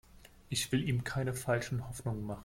Ich will ihm keine falschen Hoffnungen machen.